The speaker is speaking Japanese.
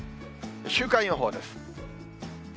週間予報です。